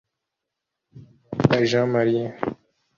Ntagwabira Jean Marie